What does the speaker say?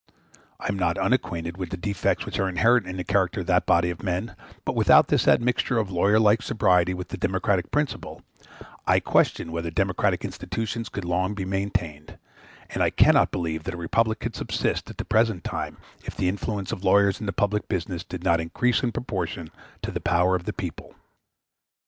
I am not unacquainted with the defects which are inherent in the character of that body of men; but without this admixture of lawyer like sobriety with the democratic principle, I question whether democratic institutions could long be maintained, and I cannot believe that a republic could subsist at the present time if the influence of lawyers in public business did not increase in proportion to the power of the people.